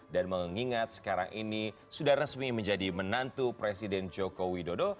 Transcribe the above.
dan mengingat sekarang ini sudah resmi menjadi menantu presiden joko widodo